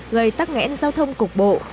gây tắc nghẽn giao thông cục bộ